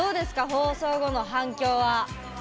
放送後の反響は？